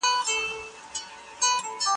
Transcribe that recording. که خسرګنۍ ښه وي نو نوی ژوند نه سختیږي.